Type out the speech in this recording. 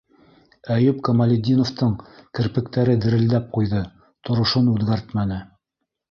Әйүп Камалетдиновтың керпектәре дерелдәп ҡуйҙы - торошон үҙгәртмәне.